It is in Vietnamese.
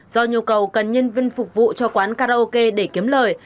do nhu cầu cần nhân viên phục vụ cho quán karaoke để kiếm lời